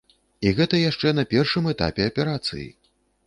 І гэта яшчэ на першым этапе аперацыі!